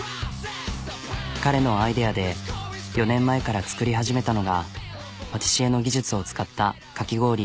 彼のアイデアで４年前から作り始めたのがパティシエの技術を使ったかき氷。